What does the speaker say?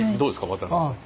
渡辺さん。